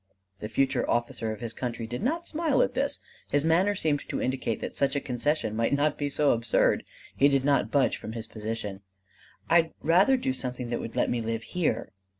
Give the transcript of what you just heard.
The future officer of his country did not smile at this: his manner seemed to indicate that such a concession might not be so absurd. He did not budge from his position: "I'd rather do something that would let me live here."